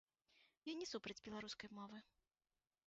Я не супраць беларускай мовы.